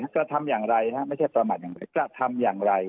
กระทำอย่างไรไม่ใช่ประมาทอย่างไรกระทำอย่างไร